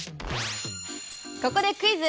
ここでクイズ。